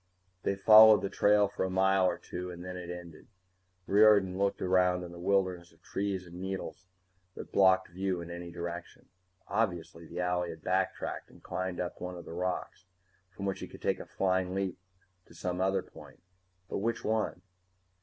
They followed the trail for a mile or two and then it ended. Riordan looked around the wilderness of trees and needles which blocked view in any direction. Obviously the owlie had backtracked and climbed up one of those rocks, from which he could take a flying leap to some other point. But which one?